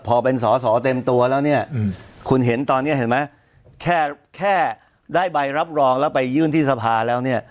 พอเป็นสอสอเต็มตัวแล้วคุณเห็นตอนนี้แค่ได้ใบรับรองแล้วไปยื่นที่สภาแล้ว